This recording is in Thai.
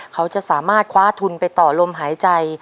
เขาจะสามารถคว้าทุนไปต่อลมหายใจ